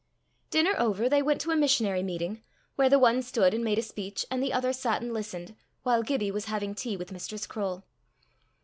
Dinner over, they went to a missionary meeting, where the one stood and made a speech and the other sat and listened, while Gibbie was having tea with Mistress Croale.